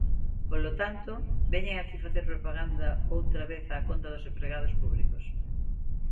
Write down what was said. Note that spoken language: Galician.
Polo tanto, veñen aquí facer propaganda outra vez a conta dos empregados públicos.